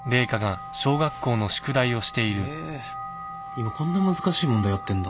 今こんな難しい問題やってんだ。